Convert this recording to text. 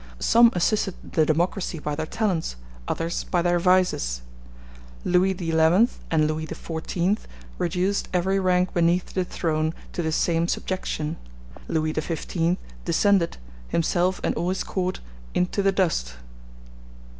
Some assisted the democracy by their talents, others by their vices. Louis XI and Louis XIV reduced every rank beneath the throne to the same subjection; Louis XV descended, himself and all his Court, into the dust.